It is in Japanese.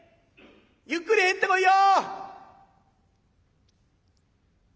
ゆっくり入ってこいよ！」。